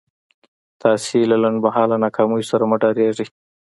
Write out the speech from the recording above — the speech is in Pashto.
تاسې له لنډ مهاله ناکاميو سره مه ډارېږئ.